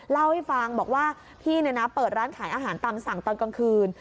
เล่าให้ฟังบอกว่าพี่เปิดร้านขายอาหารตามสั่งตอนกลางคืน